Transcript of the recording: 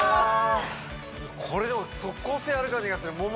これでも即効性ある感じがするもも